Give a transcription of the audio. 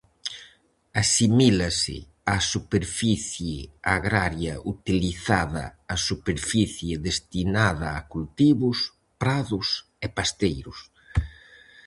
Asimílase á Superficie Agraria Utilizada a Superficie destinada a cultivos, prados e pasteiros.